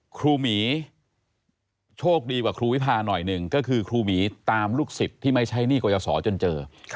หมีโชคดีกว่าครูวิพาหน่อยหนึ่งก็คือครูหมีตามลูกศิษย์ที่ไม่ใช้หนี้กรยาศรจนเจอ